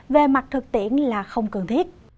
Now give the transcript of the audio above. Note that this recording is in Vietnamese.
về mặt thực tiễn là không cần thiết